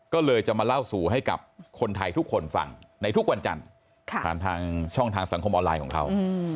ก็เลยจะมาเล่าสู่ให้กับคนไทยทุกคนฟังในทุกวันจันทร์ผ่านทางช่องทางสังคมออนไลน์ของเขา